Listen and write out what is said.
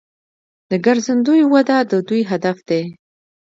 د ګرځندوی وده د دوی هدف دی.